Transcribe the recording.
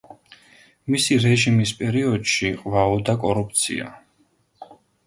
მისი რეჟიმის პერიოდში ყვაოდა კორუფცია.